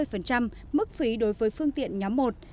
xe giảm phí đối với phương tiện nhóm một